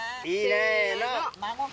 せの。